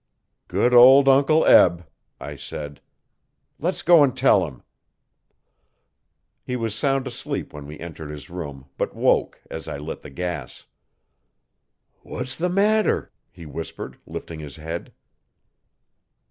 'Good old Uncle Eb!' I said. 'Let's go and tell him. He was sound asleep when we entered his room but woke as I lit the gas. 'What's the matter?' he whispered, lifting his head.